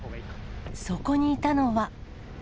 そこにいたのは。